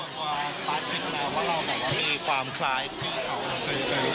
ส่วนกว่าบาสเข็นกันแล้วว่าเราบอกว่ามีความคล้ายพี่เจมส์ของพี่เจมส์